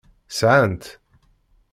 Sɛan-tt.